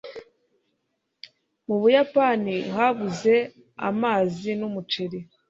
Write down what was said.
mu buyapani habuze amazi n'umuceri